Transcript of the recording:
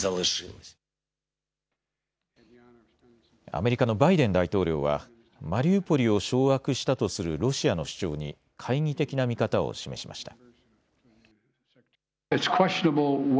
アメリカのバイデン大統領はマリウポリを掌握したとするロシアの主張に懐疑的な見方を示しました。